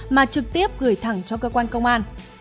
mà trực tiếp gửi thẳng cho cơ quan công an